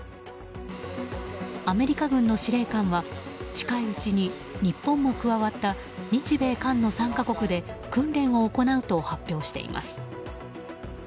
アメリカ軍の司令官は近いうちに日本も加わった日米韓の３か国で訓練を行うと発表しています。